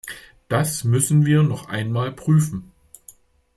Das müssen wir noch einmal prüfen.